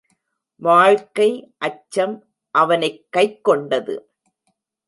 வாழ்க்கை அச்சம் அவனைக் கைக் கொண்டது.